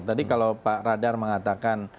tadi kalau pak radar mengatakan